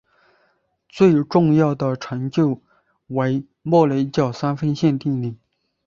最重要的成就为莫雷角三分线定理。